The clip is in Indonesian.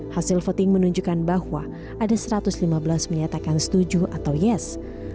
hasil voting menunjukkan bahwa ada satu ratus lima belas menyatakan setuju atau yes